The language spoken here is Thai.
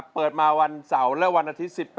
เปิดมาวันเสาร์และวันอาทิตย์๑๘